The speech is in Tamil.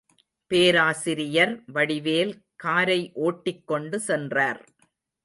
பேராசிரியர் வடிவேல் காரை ஓட்டிக்கொண்டு சென்றார்.